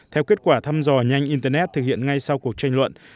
theo kết quả thăm dò nhanh internet thực hiện ngay sau cuộc tranh luận